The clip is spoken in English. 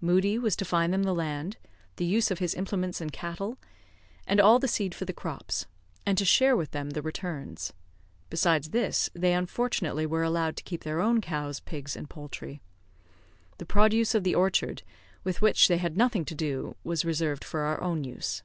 Moodie was to find them the land, the use of his implements and cattle, and all the seed for the crops; and to share with them the returns. Besides this, they unfortunately were allowed to keep their own cows, pigs, and poultry. The produce of the orchard, with which they had nothing to do, was reserved for our own use.